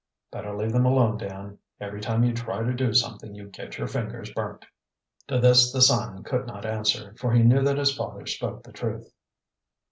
"Better leave them alone, Dan. Every time you try to do something you get your fingers burnt." To this the son could not answer, for he knew that his father spoke the truth.